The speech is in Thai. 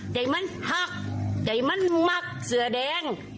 ใจมันผักใจมันหมักเสือแดง